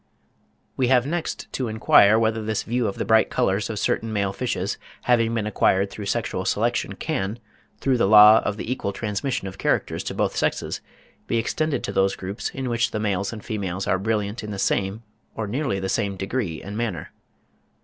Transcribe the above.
We have next to inquire whether this view of the bright colours of certain male fishes having been acquired through sexual selection can, through the law of the equal transmission of characters to both sexes, be extended to those groups in which the males and females are brilliant in the same, or nearly the same degree and manner.